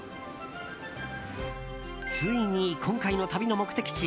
ついに今回の旅の目的地